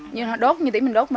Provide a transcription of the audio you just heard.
nhưng đốt như tỉ mình đốt